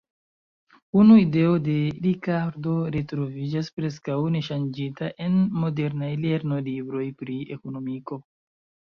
Unu ideo de Ricardo retroviĝas preskaŭ neŝanĝita en modernaj lernolibroj pri ekonomiko.